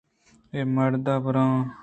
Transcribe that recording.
اے مرد ءَ بر اِنءِ